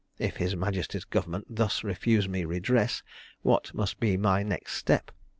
If his majesty's government thus refused me redress, what must be my next step?